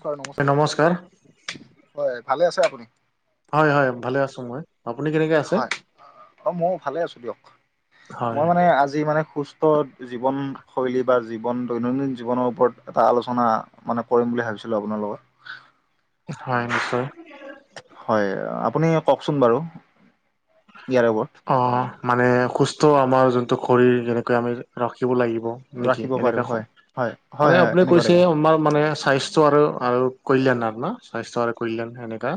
Sir নমস্কাৰ হয় ভালে আছে আপুনি, হয় হয় ভালে আছো মই, আপুনি কেনেকে, আছে হয় অ মৌ ভালে আছো দিয়ক হয় মই মানে আজি মানে খোজ, পট জীৱনশৈলী বা জীৱন দৈনন্দিন জীৱনৰ ওপৰত, এটা আলোচনা মানে কৰিম বুলি ভাবিছিলো আপোনাৰ লগত হয় নিশ্চয় হয় আপুনিয়ে কওকচোন বাৰু ইয়াৰে ওপত, অ মানে সুস্থ আমাৰ যোনটো শৰীৰ যেনেকৈ আমি ৰাখিব লাগিব, নেকি ৰাখিব পাৰো এনেকা ক হয় হয় হয় মানে হয় আপুনি এনেকুৱা কৈছে টাইপৰ আমাৰ মানে স্বা স্থ্য আৰু আৰু কল্যাণ আৰু ন স্বাস্থ্য আৰু কল্যাণ এনেকা,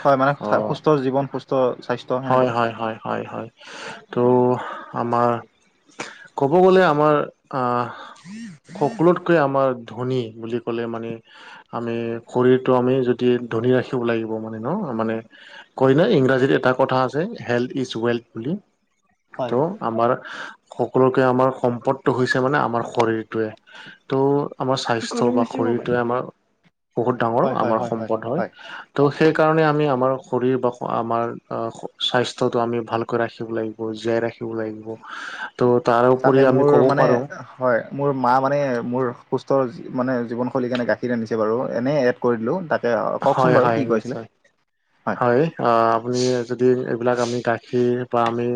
হয় মানে সুস্থ জীৱন সুস্থ স্বাস্থ্য, হয় সেনেকুৱা হয় হয় হয় হয় ত' আমাৰ ক'ব গলে আমাৰ, আহ সকলোতকৈ আমাৰ ধনী বুলি ক'লে মানে, আমি শৰীৰটো আমি যদি ধনি ৰাখিব লাগিব মানে ন মানে, কয় না ইংৰাজীত এটা কথা আছে হেল্থ ইজ ৱেল্থ বুলি হয় হয় ত' আমাৰ সকলোকে আমাৰ সম্পদটো হৈছে মানে আমাৰ শৰীৰটোৱে, টো আমাৰ স্বাস্থ্য বা শৰীৰটোৱে আমাৰ বহুত ডাঙৰ আমাৰ সম্পদ হয়। তো সেইকাৰণে আমি আমাৰ শৰীৰ বা আমাৰ, স্বাস্থ্যটো আমি ভালকৈ ৰাখিব লাগিব জীয়াই ৰাখিব লাগিব। তো তাৰ তাকে উপৰি মোৰ আমি ক'ব মানে পাৰোঁ, হয় মোৰ মা মানে মোৰ সুস্থৰ মানে জীৱনশৈলীৰ কাৰণে গাখীৰ ৰান্ধিছে বাৰু এনেই এড কৰি দিলোঁ দিলো, এ হয় কওকচোন বাৰু হয় কি নিশ্চয় কৈছিলে? হয় আ আপুনি যদি এইবিলাক আমি গাখীৰ বা আমি,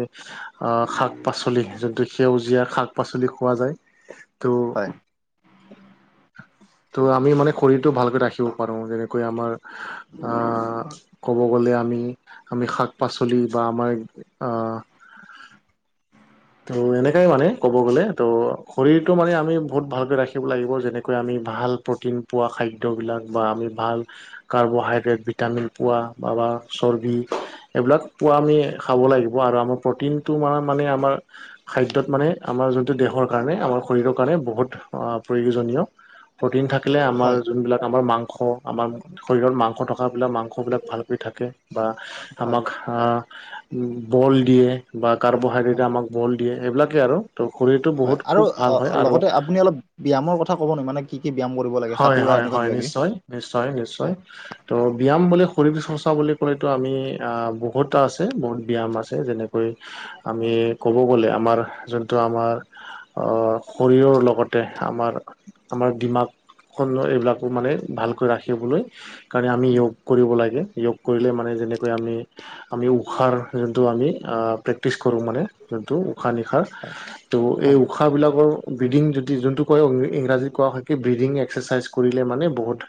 আহ শাক পাচলি যোনটো সেউজীয়া শাক পাচলি খোৱা যায়, তো' হয়। তো' আমি মানে শৰীৰটো ভালকৈ ৰাখিব পাৰো যেনে কৈ আমাৰ আ ক'ব গ'লে আমি আমি শাক পাচলি বা আমাৰ আ- ত' এনেকাই মানে ক'ব গ'লে ত' শৰীৰটো মানে আমি বহুত ভালকৈ ৰাখিব লাগিব যেনেকৈ আমি ভাল, প্ৰটিন পোৱা খাদ্যবিলাক বা আমি ভাল, কাৰ্বহাইড্ৰেট, ভিটামিন পোৱা বাবা চৰ্বি, এইবিলাক পোৱা আমি খাব লাগিব আৰু আমাৰ প্ৰটিনটো মানে মানে আমাৰ, খাদ্যত মানে আমাৰ যোনটো দেহৰ কাৰণে আমাৰ শৰীৰৰ কাৰণে বহুত অ প্ৰয়োজনীয়, প্ৰটিন থাকিলে আমাৰ হয় যোনবিলাক আমাৰ মাংস, আমাৰ শৰীৰত মাংস থকাবিলাক মাংসবিলাক ভালকৈ থাকে। বা হয় আমাক বল দিয়ে বা কাৰ্বহাইড্ৰেট হয়। আমাক- বল দিয়ে সেইবিলাকে আৰু ত শৰিৰটো হয় বহুত আৰু খুব ভাল হয় আৰু। লগতে আপুনি অলপ ব্যায়ামৰ কথা ক'ব নে মানে কি ব্যায়াম কৰিব লাগে হয় সাঁতুৰা হয় এনেকুৱা হয় কিবা কিবি। নিশ্চয় নিশ্চয় নিশ্চয়। হয় ত' ব্যায়াম বুলি শৰীৰ বিচন চাবলৈ ক'লেতো আমি আহ বহুটা আছে বহুত ব্যায়াম আছে। যেনেকৈ আমি ক'ব গ'লে আমাৰ যোনটো আমাৰ। শৰীৰৰ লগতে আমাৰ আমাৰ ডিমাগ- খণ্ড এইবিলাকো মানে ভালকৈ ৰাখিবলৈ কাৰণ আমি য়োগ কৰিব লাগে, য়োগ- কৰিলে মানে যেনেকৈ আমি- আমি উশাৰ যোনটো আমি প্ৰেক্টিছ কৰোঁ মানে যোনটো উশাহ নিশাৰ- হয় ত' এই হয় উশাহ বিলাকৰ বিডিং যদি যোনটো কয় ইংৰাজীত কোৱা হয় কি? ব্ৰিডিং এক্সাৰচাইজ কৰিলে মানে বহুত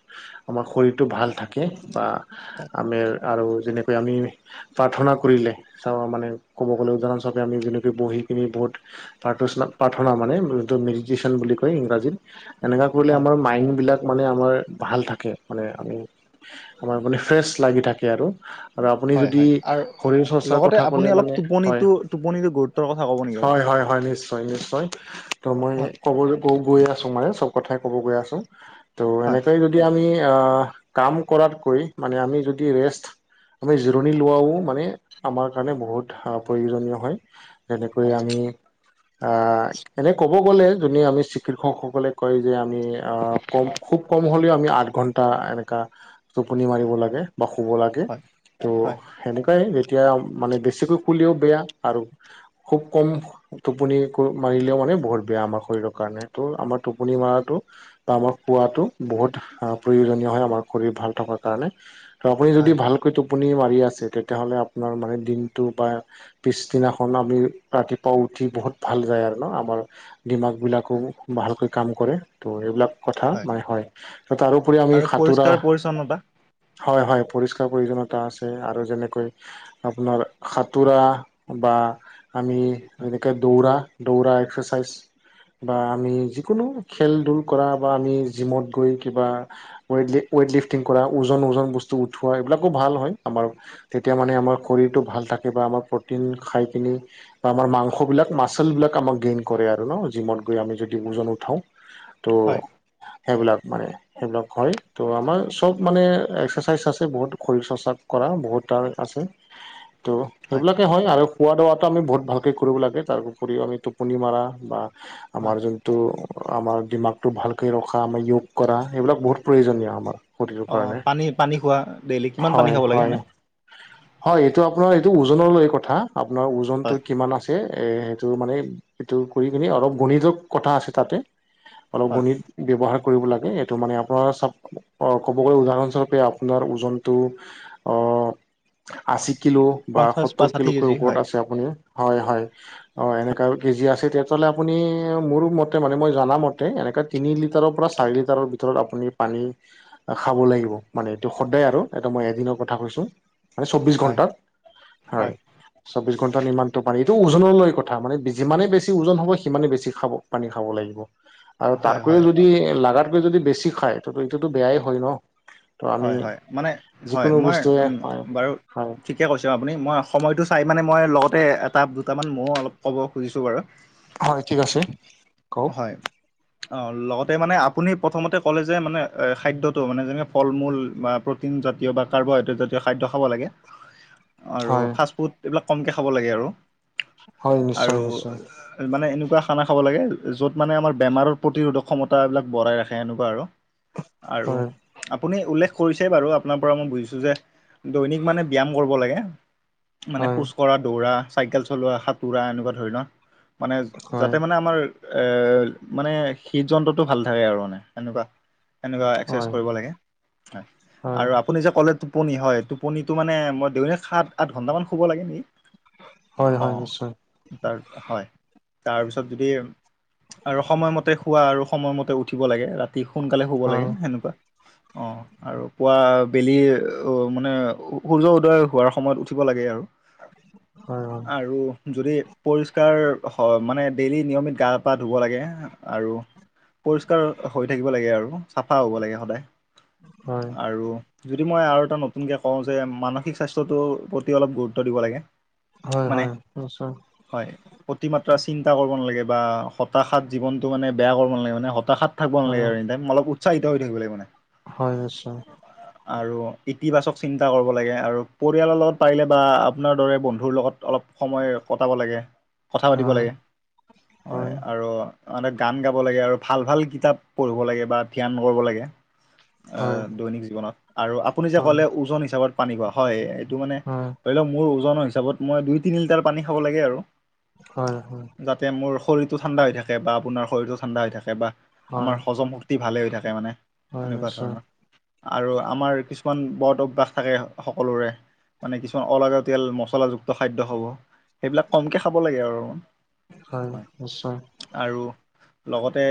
আমাৰ শৰীৰটো ভাল থাকে বা। হয় আমেৰ আৰু যেনেকৈ আমি- প্ৰাৰ্থনা কৰিলে মানে ক'ব গ'লে উদাহৰণস্বৰপে আমি যেনেকে বহি পিনি বহুত- প্ৰাৰ্থোনা, প্ৰাৰ্থনা মানে যটো মিডিজচন বুলি কয় ইংৰাজীত এনেক- হয় আমাৰ মাইনহ বিলাক মানে আমাৰ ভাল থাকে মানে আমাৰ মানে ফ্ৰেছ লাগি থাকে আৰু। আৰু আপুনি হয় যদি হয় আৰু শৰীৰ চৰ্চাৰ লগতে কথা আপুনি কলে অলপ মানে হয়। টোপনিটো টোপনিটো গুৰুত্বৰ কথা ক'ব নেকি অলপ হয় হয় হয় নিশ্চয় নিশ্চয় ত মই হয় কব গৈ গৈ আ ক কব গৈ আছো ত হয় এনেকৈয়ে যদি আমি আহ কাম কৰাতকৈ মানে আমি যদি ৰেষ্ট আমি জিৰণি লোৱাও মানে আমাৰ কাৰণে বহুত প্ৰয়োজনীয় হয় যেনেকৈ হয় আমি অ, এনে ক'ব গ'লে যোনে আমি চিকিৎসকসকলে কয় যে আমি অ, কম খুব কম হ'লেও আমি আঠ ঘন্টা এনেকা টোপনি মাৰিব লাগে। বা শুব লাগে ত হয় হয় সেনেকুৱাই যেতিয়া মানে বেছিকৈ শুলিও বেয়া আৰু খুব কম টোপনি মাৰিলেও মানে বহুত বেয়া আমাৰ শৰীৰৰ কাৰণে ত' আমাৰ টোপনি মৰাটো বা আমাৰ খোৱাটো বহুত প্ৰয়োজনীয় হয় আমাৰ শৰীৰ ভাল থকাৰ কাৰণে। ত আপুনি হয় যদি ভালকৈ টোপনি মাৰি আছে তেতিয়াহ'লে আপোনাৰ মানে দিনটো বা আৰু পিছদিনাখন আমি ৰাতিপুৱা উঠি বহুত ভাল যায় আৰু ন আমাৰ ডিমাক বিলাক ভালকৈ কাম কৰে ত' এইবিলাক কথা মানে হয় ত তাৰোপৰি আমি আৰু সাঁতোৰা পৰিষ্কাৰ পৰিচ্ছন্নতা হয় - হয় পৰিষ্কাৰ প্ৰয়োজনতা আছে আৰু যেনেকৈ আপোনাৰ সাতোৰা বা আমি হয় যেনেকৈ দৌৰা দৌৰা এক্সাৰচাইজ বা আমি যি কোনো খেল ধূল কৰা বা আমি জিমত গৈ কিবা ৱ ৱেইট লিফটিং কৰা ওজন - ওজন বস্তু উঠোৱা এইবিলাকো ভাল হয় আমাৰ। তেতিয়া মানে আমাৰ শৰীৰটো ভাল থাকে বা আমাৰ প্ৰটিন খাই পিনি বা আমাৰ মাংস বিলাক মাচল বিলাক আমাক গেইন কৰে আৰু ন জিমত গৈ আমি যদি ওজন পঠওঁ ত' হয় সেইবিলাক মানে সেইবিলাক হয় ত' আমাৰ চব মানে এক্সাৰচাইজ আছে বহুত শৰীৰ চৰ্চাপ কৰা বহুত তাৰ আছে। [inaudible] ত' সেইবিলাকে হয় আৰু খোৱাবোৱাটো আমি বহুত ভালকৈ কৰিব লাগে তাৰ উপৰিও আমি টোপনি মাৰা বা হয় আমাৰ যোনটো আমাৰ দিমাগটো ভালকৈ ৰখা আমাৰ যয়োগ কৰা এইবিলাক বহুত প্ৰয়োজনীয় আমাৰ শৰীৰৰ অ, কাৰণে পানী - পানী খোৱা ডেইলি কিমান পানী হয় খাব লাগে হয় এনেই হয় এইটো আপোনাৰ এইটো ওজন লৈ কথা। আপোনাৰ হয় ওজনতটো কিমান আছে। এ সেইটো মানে এইটো কৰি কিনে অলপ গণিত কথা আছে তাতে। অলপ হয় গণিত ব্যৱহাৰ কৰিব লাগে। এইটো মানে আপোনাৰ ক'ব গলে উদাহৰণস্বৰূপে আপোনাৰ ওজনটো অ, আশী কিলো বা পঞ্চাছ সত্তৰ ষাঠি কিলোগছকৈ কেজি ওপৰত হয় আছে আপুনি। হয়-হয় অ, এনেকা কেজি আছে। তেতিয়াহ'লে আপুনি মোৰো মতে মানে মই জনা মতে এনেকে তিনি লিটাৰৰ পৰা চাৰি লিটাৰৰ ভিতৰত আপুনি পানী খাব লাগিব মানে এইটো সদায় আৰু। এইটো মই এদিনৰ কথা কৈছো মানে চৌবিশ হয় ঘন্টাত। হয়। চৌবিশ ঘণ্টা ইমানটো পানী। এইটো ওজনলৈ কথা মানে যিমানেই বেছি ওজন হ'ব সিমানে বেছি খাব। পানী খাব লাগিব। আৰু হয় হয় তাতকৈও অ, যদি লাগাতকৈ যদি বেছি খায় ত এইটোতো বেয়াই হয় ন। ত আমি হয় - হয় মানে হয় যিকোনো মই বস্তুৱে হয় বাৰু হয় ঠিক। কৈছো আপুনি মই সময়টো চাই মানে মই লগতে এটা দুটামান মইও অলপ ক'ব খুজিছো বাৰু। হয় ঠিক আছে কওক। অঁ ললক জব গগো ঠগ্ননগতে মানে আপুনি প্ৰথমতে ক'লে যে মানে খাদ্যটো মানে যেনে ফল মূল বা প্ৰ'টিন জাতীয় বা কাৰ্বহাইড্ৰেট জাতীয় খাদ্য খাব লাগে। আৰু হয় ফাষ্ট ফুড এইবিলাক কমকৈ খাব লাগে হয় নিশ্চয় আৰু নিশ্চয় মানে এনেকুৱা খানা খাব লাগে য'ত মানে আমাৰ বেমাৰৰ প্ৰতিৰোধক ক্ষমতাবিলাক বঢ়াই ৰাখে এনেকুৱা আৰু। আৰু হয় আপুনি উল্লেখ কৰিছেই বাৰু আপোনাৰ পৰা মই বুজিছো যে দৈনিক মানে ব্যায়াম কৰিব লাগে। মানে হয় খোজ কঢ়া, দৌৰা, চাইকেল চলোৱা, সাঁতোৰা এনেকুৱা ধৰণৰ। মানে হয় যাতে মানে আমাৰ এ মানে হৃদ যন্ত্ৰটো ভাল থাকে আৰু মানে সেনেকুৱা সেনেকুৱা এক্সাৰচাইজ হয় কৰিব লাগে। হয় হয় আৰু আ আপুনি যে ক'লে টোপনি হয় টোপনিটো মানে মই দুই সাত আঠ ঘণ্টামান শুব লাগে। হয় অ হয় নিশ্চয়। তাৰ হয়। তাৰপিছত যদি আৰু সময়মতে শুৱা আৰু সময়মতে উঠিব লাগে। ৰাতি সোনকালে শুব হয় লাগে সেনেকুৱা। অঁ। আৰু পুৱা বেলি অঁ মানে সূৰ্য উদয় হোৱাৰ সময়ত উঠিব লাগে আৰু। [unintelligible] হয় হয়। আৰু যদি পৰিষ্কাৰ হ মানে ডেইলি নিয়মিত গা পা ধুব লাগে আৰু পৰিষ্কাৰ হৈ থাকিব লাগে আৰু চাফা হ'ব লাগে সদায়। হয়। আৰু যদি মই আৰু এটা নতুনকে কওঁ যে মানসিক স্বাস্থ্যটোৰ প্ৰতি অলপ গুৰুত্ব দিব লাগে। হয় মানে হয় নিশ্চয়। হয়, অতিমাত্ৰা চিন্তা কৰিব নালাগে বা হতাশাত জীৱনটো মানে বেয়া কৰিব নালাগে মানে হতাশাত শাত থাকিব নালাগে হয় আৰু এনি টাইম। অলপ উৎসাহিত হৈ থাকিব লাগে মানে। হয় নিশ্চয়। আৰু ইতিবাচক চিন্তা কৰিব লাগে আৰু পৰিয়ালৰ লগত পাৰিলে বা আপোনাৰ দৰে বন্ধুৰ লগত অলপ সময় কটাব লাগে কথা পাতিব হয় লাগে। হয় আৰু মানুহে গান গাব লাগে আৰু ভাল ভাল কিতাপ পঢ়িব লাগে বা ধ্যান কৰিব লাগে। হয় অহ দৈনিক জীৱনত আৰু আপুনি যে হয় ক'লে ওজন হিচাপত পানী খোৱা হয় এইটো মানে হয় ধৰি লৱক মোৰ ওজনৰ হিচাপত মই দুই তিনি লিটাৰ পানী খাব লাগে আৰু হয় হয়। যাতে মোৰ শৰীৰটো ঠাণ্ডা হৈ থাকে বা আপোনাৰ শৰীৰটো ঠাণ্ডা হৈ থাকে বা হয় আমাৰ হজম শক্তি ভালে হৈ থাকে মানে হয় সেনেকুৱা। নিশ্চয় আৰু আমাৰ কিছুমান বদ অভ্যাস থাকে সকলোৰে। মানে কিছুমান অলাগতিয়াল মচলাযুক্ত খাদ্য হ'ব। সেইবিলাক কমকে খাব লাগে আৰু। হয় নিশ্চয়। আৰু লগতে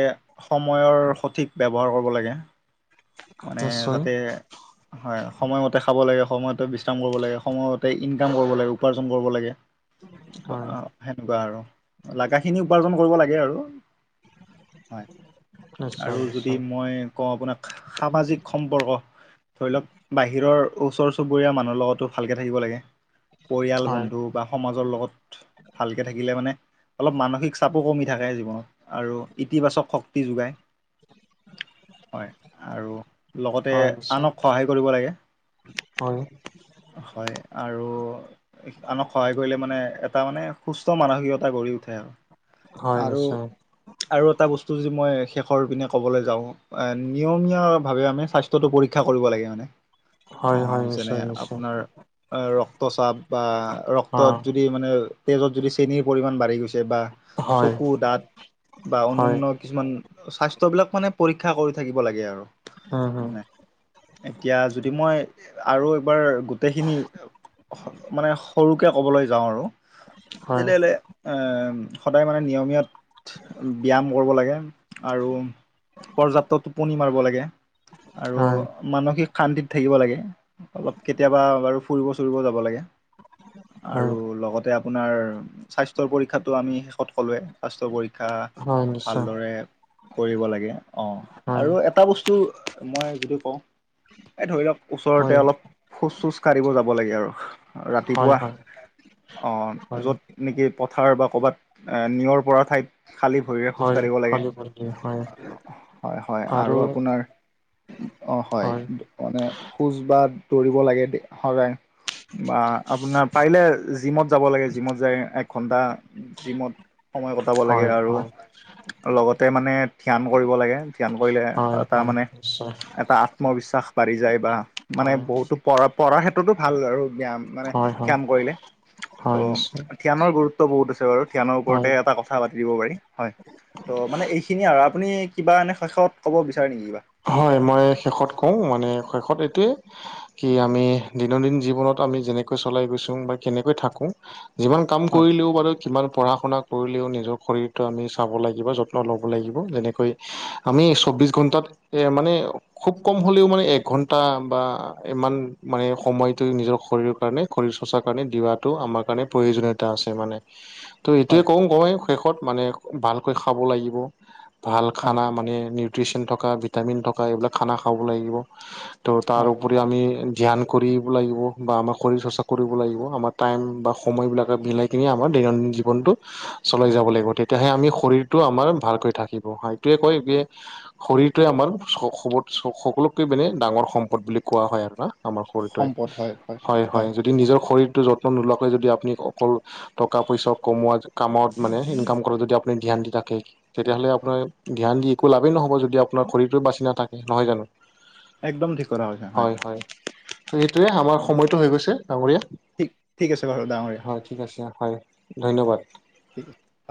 সময়ৰ সঠিক ব্যৱহাৰ কৰিব লাগে। মানে নিশ্চয় যাতে হয় সময়মতে খাব লাগে, সময়তে বিচ বিশ্ৰাম কৰিব লাগে, সময়তে ইনকাম কৰিব লাগে উপাৰ্জন কৰিব লাগে। হয় সেনেকুৱা আৰু লাগাখিনি উপাৰ্জন কৰিব লাগে আৰু হয়, নিশ্চয় আৰু যদি নিশ্চয় মই কওঁ আপোনাক। সামাজিক সম্পৰ্ক ধৰি লৱক বাহিৰৰ ওচৰ চুবুৰীয়া মানুহৰ লগতো ভালকে থাকিব লাগে, পৰিয়াল হয় বন্ধু বা সমাজৰ লগত। ভালকে থাকিলে মানে অলপ মানসিক চাপো কমি থাকে জীৱনত আৰু ইতিবাচক শক্তি যোগায়। হয়। আৰু লগতে হয় নিশ্চয় আনক সহায় কৰিব লাগে। হয় হয় আৰু আনক সহায় কৰিলে মানে এটা মানে সুস্থ মানসিকতা গঢ়ি উঠে আৱ। হয় আৰু নিশ্চয় আৰু এটা বস্তু যি মই শেষৰ পিনে ক'বলৈ যাওঁ এ নিয়মীয়া ভাৱে আমি স্বাস্থ্যটো পৰীক্ষা কৰিব লাগে মানে। হয় অঁ হয় যেনে নিশ্চয় নিশ্চয় আপোনাৰ অ ৰক্তচাপ বা অ ৰক্তত যদি মানে তেজত যদি চেনীৰ পৰিমাণ বাঢ়ি গৈছে বা হয় চকু দাঁত বা হয় অন্যান্য কিছুমান স্বাস্থ্য বিলাক মানে পৰীক্ষা কৰি থাকিব লাগে আৰু উম হম মানে। এতিয়া যদি মই আৰু একবাৰ গোটেইখিনি মানে সৰুকে ক'বলৈ যাওঁ আৰু হয় তেনেহ'লে। এ সদায় মানে নিয়মীয়াত ব্যায়াম কৰিব লাগে। আৰু পৰ্যাপ্ত টোপনি মাৰিব লাগে আৰু হয় মানসিক শান্তিত থাকিব লাগে অলপ কেতিয়াবা বাৰু ফুৰিব চুৰিব যাব লাগে। আৰু হয় লগতে আপোনাৰ স্বাস্থ্যৰ পৰীক্ষাটো আমি শেষত ক'লোৱে। স্বাস্থ্য পৰীক্ষা হয় নিশ্চয় ভালদৰে কৰিব লাগে অ হয় আৰু এটা বস্তু মই যদি কও এ ধৰি লওক হয় ওচৰতে অলপ খোজ চোজ কাঢ়িব যাব লাগে আৰু হয় ৰাতিপুৱা হয় অহ হয় য'ত নেকি পথাৰ বা ক'ৰবাত এ নিয়ৰ পৰা ঠাইত খালী ভৰিৰে খোজকাঢ়িব লাগে। সেইটোৱে হয়। হয় হয় আৰু আপোনাৰ অ হয়। মানে খোজ বা দৌৰিব লাগে সদায়। বা আপোনাৰ পাৰিলে জিমত যাব লাগে জিমত যাই এক ঘন্টা, জিমত সময় কটাব লাগে হয় আৰু হয় লগতে মানে ধ্যান কৰিব লাগে। ধ্যান কৰিলে হয় হয় তাৰমানে নিশ্চয় এটা আত্মবিশ্বাস বাঢ়ি যায় বা মানে হয় বহুতো পঢ়া পঢ়াৰ ক্ষেত্ৰতো ভাল আৰু ব্যায়াম। মানে হয় হয় ধ্যান কৰিলে হয় ত' নিশ্চয় ধ্যানৰ গুৰুত্ব বহুত আছে বাৰু ধ্যানৰ ওপৰতে হয় এটা কথা থা পাতি দিব পাৰি হয়। ত মানে এইখিনিয়ে আৰু আপুনি কিবা এনে শৈশৱত ক'ব বিচাৰে নেকি কিবা। হয় মই শেষত কও মানে শেষত এইটোয়ে কি আমি দৈনন্দিন জীৱনত আমি যেনেকৈ চলাই গৈছো বা কেনেকৈ থাকো যিমান কাম হয় কৰিলেও বাৰু কিমান পঢ়া শুনা কৰিলেও নিজৰ শৰীৰটো আমি চাব লাগিব, যত্ন ল'ব লাগিব। যেনেকৈ আমি চৌব্বিছ ঘণ্টাত এ মানে- খুব কম হ'লেও মানে এঘন্টা বা ইমান মানে সময়তো নিজৰ শৰীৰৰ কাৰণে শৰীৰ চৰ্চাৰ কাৰণে দিয়াতো আমাৰ কাৰণে প্ৰয়োজনীয়তা আছে মানে। টিক তো এইটোৱে কও গৈ শেষত মানে ভালকৈ খাব লাগিব ভাল হয় খানা মানে, মানে নিউতিছিয়ান থকা ভিটামিন থকা এই বিলাক খানা খাব লাগিব। ত তাৰ হয় ওপৰি আমি ধ্যান কৰিব লাগিব বা আমাৰ শৰীৰ চৰ্চা কৰিব লাগিব আমাৰ টাইম বা সময়বিলাকে মিলাই কিনি আমাৰ দৈনন্দিন জীৱনটো চলাই যাব লাগিব তেতিয়াহে আমি শৰীৰটো আমাৰ ভালকৈ থাকিব সেইটোৱে কয় যে শৰীৰটোৱে আমাৰ চবত সকলোতকে মানে ডাঙৰ সম্পদ বুলি কোৱা হয় আৰু ন। আমাৰ শৰীৰটোৱে হয় হয় যদি নিজৰ শৰীৰটো যত্ন নোলোৱাকৈ যদি আপুনি অকল টকা পইচা কমোৱা কামত মানে সেই- কাম কৰ যদি আপুনি ধ্যান দি থাকে। তেতিয়াহ'লে আপোনাৰ ধ্যান দি একো লাভেই নহব যদি আপোনাৰ শৰীৰটোৱে বাছি নাথাকে। নহয় জানো? একদম ঠিক কথা কৈছা হয়। সেইটোয়ে আমাৰ অ সময়তো হৈ গৈছে ডাঙৰীয়া, ঠিক ঠিক আছে বাৰু ডাঙৰীয়া হয় ঠিক আছে হয় ধন্যবাদ। ঠিক আছে। হয়